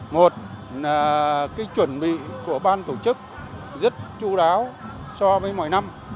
một là chuẩn bị của ban tổ chức rất chú đáo so với mọi năm